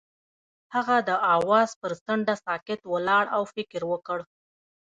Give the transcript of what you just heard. هغه د اواز پر څنډه ساکت ولاړ او فکر وکړ.